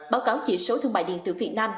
báo cáo chỉ số thương mại điện tử việt nam